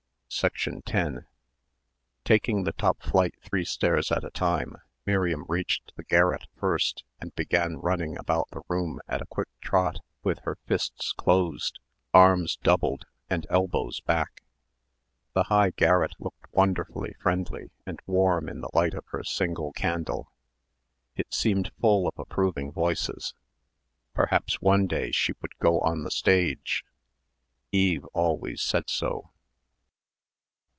10 Taking the top flight three stairs at a time Miriam reached the garret first and began running about the room at a quick trot with her fists closed, arms doubled and elbows back. The high garret looked wonderfully friendly and warm in the light of her single candle. It seemed full of approving voices. Perhaps one day she would go on the stage. Eve always said so.